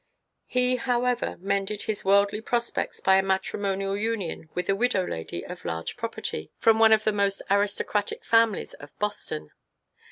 He, however, mended his worldly prospects by a matrimonial union with a widow lady of large property, from one of the most aristocratic families of Boston.